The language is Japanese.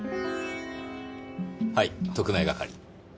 はい特命係。